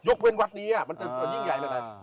เว้นวัดนี้มันจะยิ่งใหญ่เลยนะ